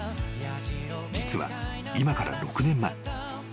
［実は今から６年前］